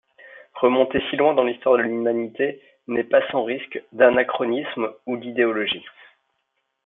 Remonter si loin dans l'histoire de l'humanité n'est pas sans risque d'anachronisme ou d'idéologie.